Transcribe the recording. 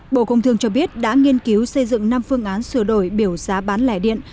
bộ công thương cho biết đã nghiên cứu xây dựng năm phương án sửa đổi biểu giá bán lẻ điện